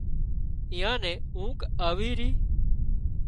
ايئان نين اونگھ آوي ري